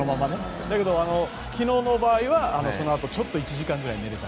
だけど、昨日の場合はそのあと１時間ぐらいして寝れた。